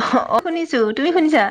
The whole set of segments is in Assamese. অ', শুনিছো। তুমি শুনিছা?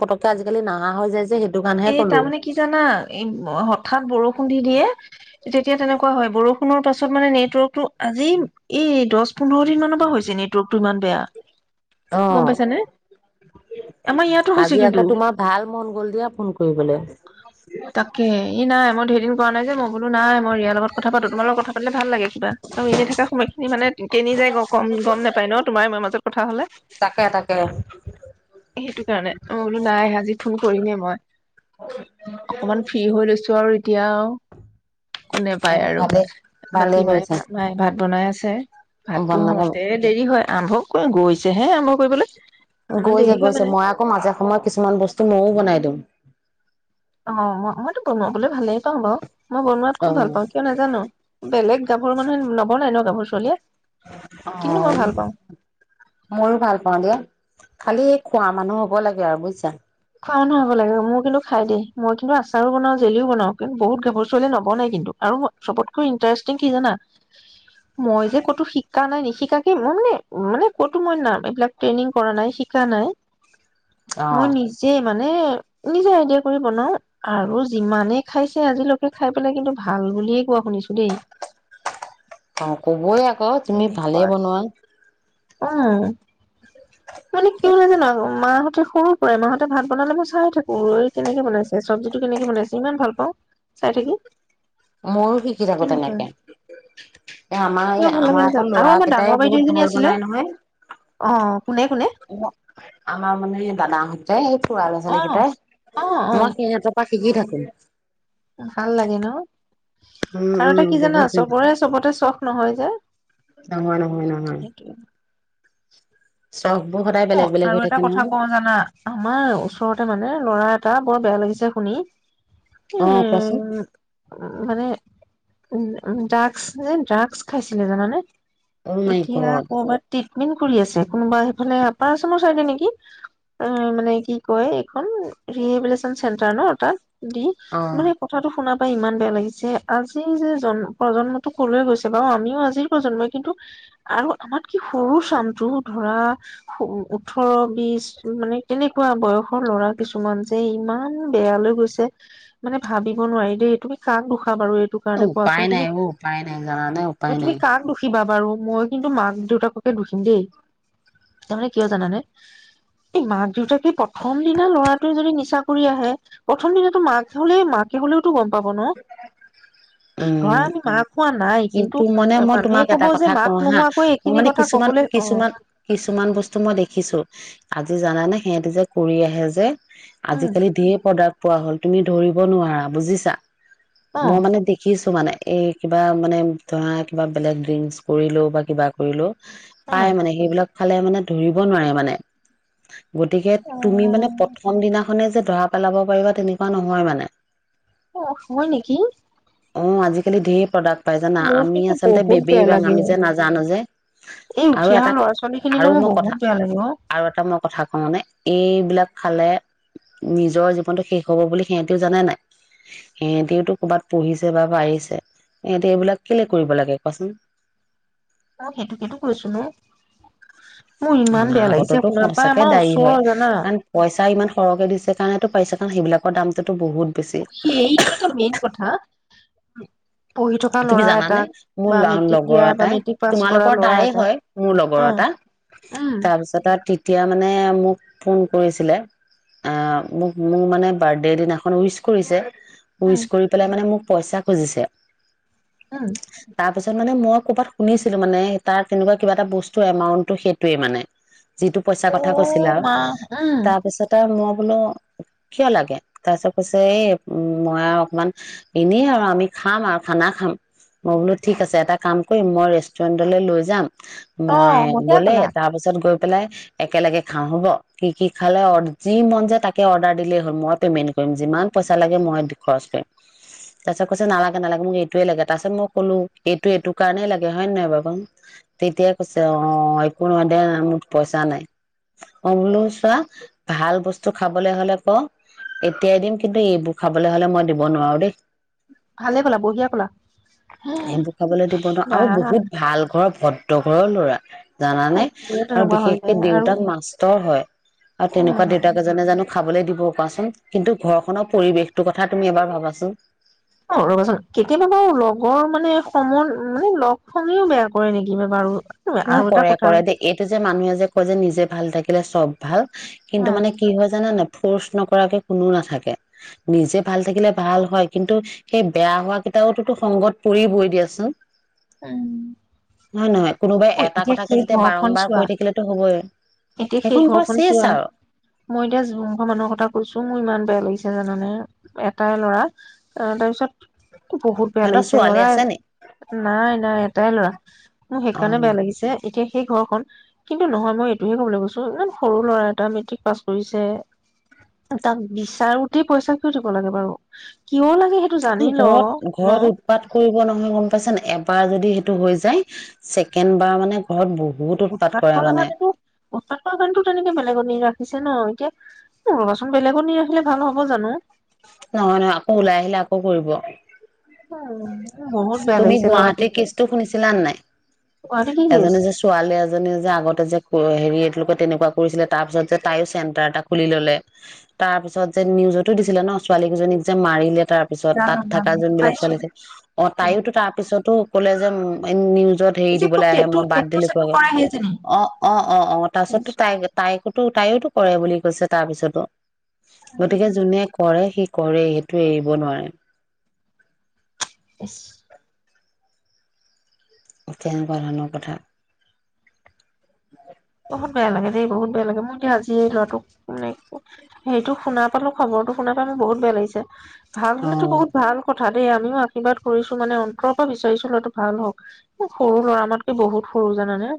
পটকে আজিকালি নাহা হৈ যায় যে সেইটো। কাৰণেহে এ, কলো তাৰমানে কি জানা, এই হঠাৎ বৰষুণ দি দিয়ে, তেতিয়া তেনেকুৱা হয়। বৰষুণৰ পাছত মানে নেটৱৰ্কতটো, আজি এই দচ-পোন্ধৰ দিনমানৰ পৰা হৈছে, নেটৱৰ্কতটো ইমান বেয়া। অ'। গম পাইছানে আমাৰ ইয়াতো হৈছে আজি কিন্তু আকৌ তোমাৰ ভাল মন গ'ল দিয়া ফোন। হৈ গ'লে। তাকে ই নাই মই হেৰিও কৰা নাই যে মই, বোলো নাই মই ইয়াৰ লগত কথা পাতো তোমাৰ লগত কথা পাতিলে ভাল লাগে কিবা আৰু এনেই থকা সময়খিনি মানে কনিি যায় কম গম নোপাই ন তোমাৰ মোৰ মাজত কথা হলে তাকে তাকে সেইটো কাৰণে অ বোলো নাই আজি ফোন কৰিমেই মই, অকমান ফ্ৰী হৈ লৈছো। আৰু এতিয়াও কোনে অ পায় আৰু ভালেই ভালেই বাকী মায়ে কৰিছা ভাত মায়ে ভাত বনাই আছে ভাততো বনাব হওঁতে দেৰি হয়। আৰম্ভ কৰি গৈছে হে আৰম্ভ কৰিবলৈ আমাৰ গৈছে দেৰি হয় গৈছে মানে মই আকৌ মাজে সময়ত কিছুমান বস্তু মইওঁ বনাই দিম, অ' অ' মই বনাবলৈ ভালেই পাওঁ বাৰ। মই বনোৱাত অ খুব ভাল পাওঁ কিয় নাজানো বেলেগ গাভৰু মানুহে নবনাই ন গাভৰু চলিয়ে, অ ময়ো ভাল পাওঁ দিয়া খালি খোৱা মানুহ হ'ব লাগে আৰু বুজিছা। খোৱা মানুহ হ'ব লাগে মোৰ কিন্তু খাই দেই মই কিন্তু আচাৰো বনাওঁ জেলিও বনাও কি বহুত গাভৰু ছোৱালীয়ে নবনাই কিন্তু আৰু চবতকৈ ইণ্টাৰেষ্টিং কি জানা? মই যে ক'তো শিক শিকা নাই নিশিকখা কি মানে মানে কটু মই মানে এইবিলাক ট্ৰেইনিং কৰা নাই শিকখা নাই আহ দেই মানে নিজে আইডিয়া কৰি বনাও আৰু যিমানে খাইছে আজিলৈকে খাই পেলাই কিন্তু ভাল বুলিয়ে কোৱা শুনিছো। দেই। অ কবই আকৌ তুমি তেনেকুৱা। ভালেই বনোৱা। উম মানে কি হয় জানো মাহতে সৰু পৰায়ে মাহতে, ভাত বনালে মই চাই থাকো ৰ কেনেকে বনাইছে চব্জিটো কেনেকে বনাইছে ইমান ভাল পাওঁ চাই থাকি। ময়ো শিকি থাকো তেনেকুৱা তেনেকে এই আমাৰ এই কিয় ভাল লাগে আমাৰ নাজানো এই আৰু লৰা আমাৰ কেইটাই ডাঙৰ বাইদেউ বহুত এজনী ভাল আছিলে বনাই নহয় অ কোনে কোনে আমাৰ মানে দাদাহতে এই খোৰা লৰা অ অ অ ছোৱালীকিতায়ে মই সিহঁতৰ, শিকি থাকো। ভাল লাগে ন, উম আৰু উম এটা কি জানা বহুত চবৰে চবতে চখ নহয়। হ নহয় নহয় নহয় ফুচ অ আৰু এটা কথা কওঁ জানা আমাৰ ওচৰতে মানে ল'ৰা এটা বৰ বেয়া লাগিছে শুনি, অ কোৱাচোন উম মানে উ ড্ৰাগছ যে ড্ৰাগছ খাইছিলে জানানে? অ মাই এতিয়া গড কবাত, মেইন কৰি আছে কোনোবা সেইফালে ৰ চাইডে নেকি এ মানে কি কয় এইখন ৰিহেবিলচন চেন্টাৰ ন তাত [unintelligible] দি অ মানে কথাটো শুনা ইমান বেয়া লাগিছে আজি যে জন্ম প্ৰজন্মটো কলে গৈছে বাৰু আমিও আজিৰ প্ৰজন্মই কিন্তু আৰু আমাত কে সৰু চামটো ধৰা ওঠৰ বিশ মানে এনেকুৱা বয়সৰ ল'ৰা কিছুমান যে ইমান বেয়া লৈ গৈছে মানে ভাবিব নোৱাৰি দেই তুমি কাক দোষ [unintelligible] বাৰু এইটো কাৰণে উপায় কোৱাচোন নাই তুমি অ উপায় নাই জানানে উপায় তুমি নাই। কাক দুখিবা বাৰু মই কিন্তু মাক দেউতাককে দুষিম দেই তাৰমানে কিয় জানানে এই মাক দেউতাকে প্ৰথম দিনা লৰাটোৱে যদি নিচা কৰি আহে প্ৰথম দিনাাতটো মাকে হলে মাকে হলেও টো গম পাব ন উম ধৰা আমি মা খোৱা ন কিন্তু মানে মই তোমাক এটা কথা মাক কওঁ হা নোহোৱাকৈ মই এইখিনি মানে কথা কিছুমান কবলৈ অ কিছুমান [unintelligible] কিছুমান বস্তু মই দেখিছো আজি জানানে সিহঁতি যে কৰি আহে যে উম আজিকালি দিয়ে প্ৰডাক্ট পোৱা হল তুমি ধৰিব নোৱাৰা বুজিছা অ মই মানে দেখিছো মানে? এই কিবা মানে ধৰা কিবা বেলেগ ড্ৰিংকচ কৰি লোও বা কিবা কৰিলও, উম পাই মানে সেইবিলাক খালে মানে ধৰিব নোৱাৰে মানে গতিকে তুমি মানে অ', প্ৰথম দিনা খনে যে ধৰা পেলাব পাৰিবা তেনেকুৱা নহয় মানে অ হয় নেকি অ আজিকালি ধেৰ প্ৰডাক্ট পাই জানা মোৰ আমি কিন্তু আচলতে বহুত বেয়া বেবেইবাং লাগে। আমি যে নাজানো যে এই উঠি আৰু অহা এটা ল'ৰা ছোৱালী খিনিলৈ আৰু মোৰ মই বহুত কথা বেয়া লাগে অ'। আৰু এটা মই কথা কওঁ নে এইবিলাক খালে নিজৰ জীৱনটো শেষ হব বুলি সিহঁতিও জানে নাই সিহঁতিওতো ক'ৰবাত পঢ়িছে বা পাৰিছে ইহঁতে এইবিলাক কেলৈ কৰিব লাগে কচোন অ সেইটোোক সেইটো কৈছো ন, মোৰ ইমান আমাৰ বেয়া লাগিছে আগতেতো আপোনাৰ পৰা সচাকে আমাৰ দৰী হয় ওচৰৰ জানা। কাৰণ পইচা ইমান সৰহকে দিছে কাৰণ পাইছে কাৰণ সেইবিলাকৰ দামটো, সেইটো এটা মেইন কথা। পঢ়ি থকা তুমি ল'ৰা জানানে এটাক মোৰ বা ল মেট্ৰিক লগৰ দিয়া বা এটাই মেট্ৰিক পাছ কৰা তোমালোকৰ ল'ৰা তাৰে এটাক হয় মোৰ লগৰ উম, এটা উম, তাৰপিছত আৰু এতিয়া মানে মোক ফোন কৰিছিলে মোক মোৰ মানে বাৰ্থডে দিনাখন উইচ কৰিছে। উইচ উম, কৰি পেলাই মানে মোক, পইচা খুজিছে উম! তাৰ পিছত মানে মই ক'বাত শুনিছিলো মানে তাৰ তেনেকুৱা কিবা এটা বস্তু এমাউনটটো সেইটোৱে মানে যিটো পইচা কথা কৈছিলে অ', আও মা উম, তাপিছতে মোক বোলো কিয় লাগে তাপিছত কৈছে এই উ মই আও অকমান এনে আৰু আমি খাম আও খানা খাম। মই বোলো ঠিক আছে এটা কাম কইম মই ৰেষ্টুৰেন্টলৈ লৈ যাম মই অ', বঢ়িয়া গলে ক'লা তাৰ পিছত গৈ পেলাই একেলগে খাওঁ হ'ব কি কি খালে অ যি মন য তাকে অৰ্ডাৰ দিলেই হ'ল মই পেমেন্ট কইম যিমান পইচা লাগে মই দি খৰচ কৰিম তা‌ পিছত কৈছে নালাগে নালাগে মোক এ হেটোৱে লাগে তা পিছত মই কলো এইটো এইটো কাৰণে লাগে হয় নে নহয় বাও। তেতিয়া কৈছে অ একো নহয় দে না মোক পইচা নাই অ বোলো চোৱা ভাল বস্তু খাবলৈ হলে ক এতিয়াই দিম কিন্তু এইবোৰ খাবলৈ হলে মই দিব নোৱাৰো দেই ভালে ক'লা বহিয়া হেবো খাবলৈ দিব নোৱাও বা আও বহুত ভাল ঘৰ ভদ তগৰৰ ল'ৰা জানানে মোৰো আৰু তেনেকুৱা হৈ যায় বিশেষকে আৰু দেউতাক মাষ্টৰ হয় আৰু অ', তেনেকুৱা মা। দেউতাক এজনে জানো খাবলৈ দিব কোৱাচোন? কিন্তু ঘৰখনৰ পৰিৱেশটো কথা তুমি এবাৰ ভাবাচোন। অ', ৰ'বাচোন কেতিয়া [unintelligible] লগৰ মানে সময় মানে লগ সঙেয়ো বেয়া কৰে নেকি বা বাৰু? ন' আৰু এটা কৰে, কথা কৰে দেই এইটো যে, মানুহে যে, কয় যে, নিজে ভাল থাকিলে চব ভাল কিন্তু উম মানে কি হয়, জানানে নাই ফৰ্চ নকৰাকে কোনো নাথাকে, নিজে ভাল থাকিলে ভাল হয়, কিন্তু সেই বেয়া হোৱা কিটাওতো সংগত পৰিবই দিয়াচোন। উম। হয় নহয় কোনোবাই এটা কথাকে যেতিয়া বাৰম্বাৰ কৈ থাকিলেতো হ'বই। এতিয়া সেই সেইখন ঘৰ ঘৰখন চেচ চোৱা আৰু মই এতিয়া যোনঘৰ মানুহ কথা কৈছো মোৰ ইমান বেয়া লাগিছে জানানে এটাই ল'ৰা তাৰপিছত বহুত বেয়া সিহঁতৰ লাগিছে ছোৱালী আছে লৰাই নি নাই -নাই [inaudible] মোৰ অ সেইকাৰণে বেয়া লাগিছে এতিয়া সেই ঘৰখন কিন্তু নহয় মই এ তাকে‌ কবলৈ গৈছো ইমান সৰু ল'ৰা এটা মেট্ৰিক পাছ কৰিছে তাক বিচাৰোতেই পইচা কিয় দিব লাগে বাৰু কিয় লাগে সেইটো জানি ল ঘৰত ন -ঘৰত উৎপাত কৰিব নহয় গম পাইছানে নাই এবাৰ যদি হে টো হৈ যায় ছেকেণ্ড বাৰ মানে ঘৰত বহুত উৎপাত কৰে কৰা মানে কাৰণেটো- উৎপাত কৰা কাৰণেটো তেনেকে বেলেগৰ নি ৰা পিছে ন এতিয়া ৰবাচোন বেলেগত নি ৰাখিলে ভাল হ'ব জানো? নহয় নহয় আকৌ ওলাই আহিলে আকৌ কৰিব বহুত বেয়া তুমি লাগিছে ল'ৰাটো গুৱাহাটীৰ যে। কেচটো শুনিছিলা নাই গুৱাহাটী কি এজনী কৰিছে যে ছোৱালী এজনী যে আগতে যে হেৰি এতলোকে তেনেকুৱা কৰিছিলে, তাৰ পিছত যে তায়ো চেন্টাৰ এটা খুলি ললে। তাৰ পিছত যে নিউজটো দিছিলে ন, ছোৱালী কেজনীক যে মাৰিলে। তাৰ পিছত, তাত জানো থাকা জানো জোনবিলাক পাইছো ছোৱালী আছিল অ তায়োতো তাৰপিছত টো কলে যে ম [unintelligible] যত হেৰি এই যে খুব দিবলৈ আহে টেটু মই বাদ টেটু দিলো, চেটু [unintelligible] কৰা সেইজনী অ অ অ অ তাৰ পিছতো তাই তাইকো তু তাইওতো কৰে বুলি কৈছে তাৰ পিছতো! গতিকে যোনে কৰে সি কৰে, সেইটো এৰিব নোৱাৰে। ইচ! তেনকুৱা ধৰণৰ কথা। বহুত বেয়া লাগে দেই বহুত বেয়া লাগে, মই এতিয়া আজি এই ল'ৰাটোক মানে হেইটো শুনা পালো খবৰটো শুনা পায় মোৰ বহুত বেয়া লাগিছে। ভাল অ হলেতো বহত ভাল ক কথা দেই, আমিও আশীৰ্বাদ কৰিছো মানে অন্তৰৰ পৰা বিচাৰিছো লৰাটো ভাল হওক। খুব সৰু ল'ৰা, আমাতকে বহুত সৰু জানানে?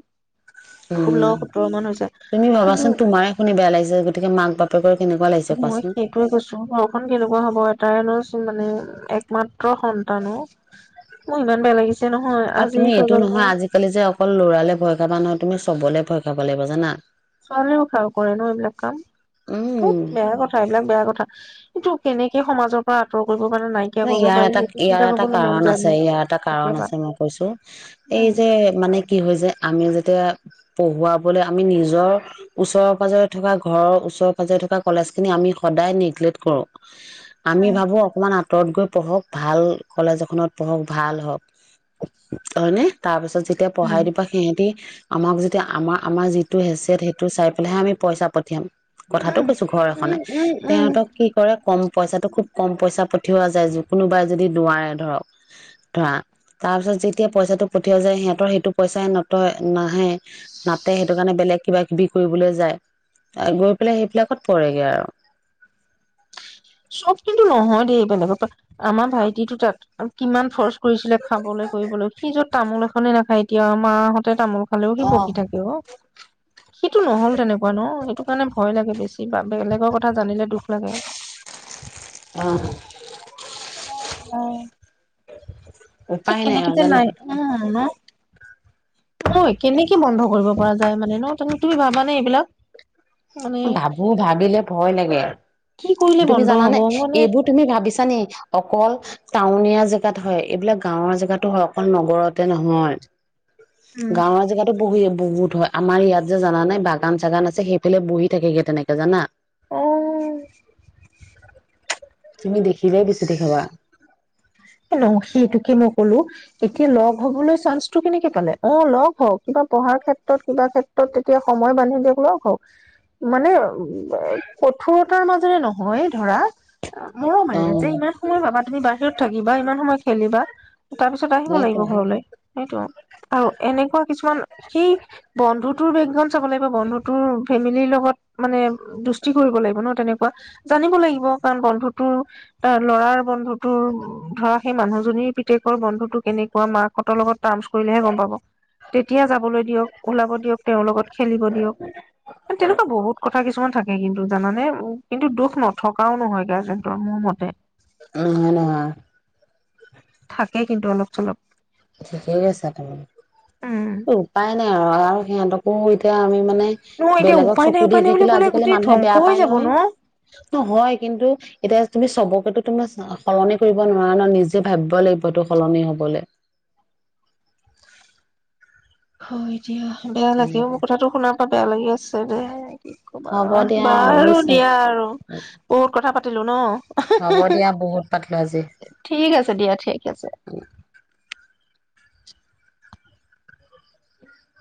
উ ষোল্ল সোতৰ মান হৈছে তুমি কিন্তু ভাবাচোন তোমাৰে শুনি বেয়া লাগিছে, গতিকে মাক বাপেকৰ। কেনেকুৱা লাগিছে মই কোৱাচোন সেইটোয়ে কৈছো ঘৰখন কেনেকুৱা হব এটাই ল'ৰা [unintelligible] মানে একমাত্ৰ সন্তান অ', মোৰ ইমান বেয়া লাগিছে নহয় আৰু আজিৰ তুমি এইটো নহয় প্ৰজন্মৰ আজিকালি যে অকল লৰালে ভয় খাবা নহয়। তুমি চবলে ভয় খাব লাগিব জানা? ছোৱালীও খাৰ কৰে ন এইবিলাক কাম? উম ধেত বেয়া কথা, এইবিলাক বেয়া কথা। কিন্তু কেনেকে সমাজৰ পৰা আঁতৰ কৰি ন ইয়াৰ এটা ইয়াৰ এটা মন কাৰণ যায় আছে মোৰ ইয়াৰ এটা কাৰণ কেতিয়াবা আছে মই কৈছো, এই উম যে মানে কি হয় যে আমি যদি তে এ, পঢ়ুৱাবলে আমি নিজৰ ওচৰে পাজৰে থকা ঘৰৰ ওচৰে পাজৰে থকা কলেজ খিনি আমি সদায় নেগলেক্ট কৰো। আমি ভাবো অকমান আত তত গৈ পঢ়ক, ভাল কলেজ এখনত পঢ়ক, ভাল হওক। হয়নে? তাৰপিছত যেতিয়া উম পঢ়াই দিবা সিহঁতি আমাক যেতিয়া আমাৰ আমাৰ যিটো হেচিয়ট, সেইটো চাই পেলাইহে আমি পইচা পঠিয়াম। কথাটো উম কৈছো ঘৰ উম এখনে, উম উম তেহতক কি কৰে কম পইচাটো খুব কম পইচা পথ পঠিওৱা যায় কোনোবাই যদি নোৱাৰে ধৰক, ধৰা। তাৰ পিছত যেতিয়া পইচাটো পঠিওৱা যায় সিহঁতৰ সেইটো পইচাই নত না, [unintelligible] নাতে সেইটো কাৰণে বেলেগ কিবা কিবি কৰিবলৈ যায়। গৈ পেলাই সেইবিলাকত পৰেগৈ আৰু। চব কিন্তু নহয় দেই বেলেগত, আমাৰ ভাইটিটো তাত কিমান ফৰ্চ কৰিছিলে খাবলৈ কৰিবলৈ, সি য'ত তামোল এখনেই নাখায় এতিয়াও, মা হঁতে তামোল খালেও সি অ বকি থাকে অ। সিটো নহ'ল তেনেকুৱা ন? সেইটো কাৰণে ভয় লাগে বেছি। কিবা বেলেগৰ কথা জানিলে দুখ লাগে। অ' [unintelligible] কেনেকি আৰু যে জানা নাই ম [unintelligible] কেনেকে কি বন্ধ কৰিব পৰা যায় মানে ন তুমি ভাবানে এইবিলাক মানে ভাবো ভাবিলে ভয় লাগে আৰু কি কৰিলে তুমি বন্ধ জানানে হব মানে এইবোৰ তুমি ভাবিছানে অকল টাউনীয়া জেগাত হয় এইবিলাক গাঁৱৰ জেগাতো হয় অকল নগৰতে নহয় উম গাঁওৰ জেগাতো বহি বহুত হয় আমাৰ ইয়াত যে জানা নাই বাগান চাগান আছে সেইফালে বহীত, থাকেগে তেনেকে জানা। আহ! তুমি দেখিলে বেছি দেখাবা। ন সেইটোকে ন কলো এতিয়া লগ হবলৈ চান্সটো কেনেকে পালে অ লগ হওক কিবা পঢ়াৰ ক্ষেত্ৰত কিবা ক্ষেত্ৰত তেতিয়া সময় বান্ধি দিয়ক লগ হওক মানে কঠোৰতাৰ মাজেৰে নহয় ধৰা। মৰম অ মাৰে যে ইমান সময় পাবা তুমি বাহিৰত থাকা বা ইমান সময় খেলিবা তাৰ পিছত আহিব লাগিব সেইটোৱে ঘৰলৈ সেইটো আৰু এনেকুৱা কিছুমান সেই বন্ধুটোৰ বেগান চাব লাগিব বন্ধুতোৰ ফেমিলিৰ লগত মানে দুষ্টি কৰিব লাগিব ন' তেনেকুৱা জানিব লাগিব কাৰণ বন্ধুতটোৰ তাৰ ল'ৰাৰ বন্ধু তোৰ ধৰা সেই মানুহজনীৰ পিতেকৰ বন্ধুতটো কেনেকুৱা মাকহঁতৰ লগত টাৰামছ কৰিলেহে গ'ম পাব। তেতিয়া যাবলৈ দিয়ক, ওলাব দিয়ক তেওঁৰ লগত খেলিব দিয়ক তেনেকুৱা বহুত কথা কথা কিছুমান থাকে কিন্তু জানে কিন্তু দুখ নথকাও নহয় গাৰ্জেনটোৰ মোৰ মতে আৰু তুমি নাহা থাকেই কিন্তু অলপ চলপ ঠিকেই কৈছা তুমি উম উপায় নাই আৰু আৰু সিহঁতক ফোন কৰিথয় আমি মানে মোৰ এতিয়া বেলেগক উপায় নাই চকু দি উপায় নাই বুলি থাকিলে ক'লে আজিকালি গোটেই মানুহে ধ্বংস বেয়া হৈ পায় যাব ন নহয় অ' হয় কিন্তু এতিয়া তুমি চবকেতো তোমাৰ চা সলনি কৰিব নোৱাৰা ন নিজে ভাবিব লাগিবতটো সলনি হ'বলৈ। হয়। দিয়া বেয়া লাগেও তেনেকে কথাটো শুনাত ক'ত বেয়া লাগি আছে। দে কি ক'বা হ'ব দিয়া আৰু বাৰু বুজিছা দিয়া আৰু বহুত কথা পাতিলোঁ ন হ'ব দিয়া বহুত পাতিলো আজি। এশেহ এশেহ ঠিক আছে দিয়া ঠিক আছে।